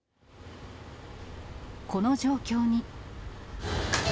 この状況に。